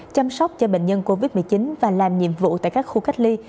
chăm sóc cho bệnh nhân covid một mươi chín và làm nhiệm vụ tại các khu cách ly